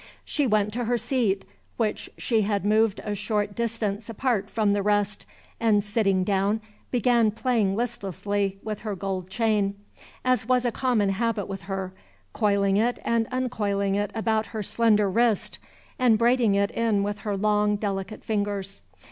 She went to her seat, which she had moved a short distance apart from the rest, and, sitting down, began playing listlessly with her gold chain, as was a common habit with her, coiling it and uncoiling it about her slender wrist, and braiding it in with her long, delicate fingers.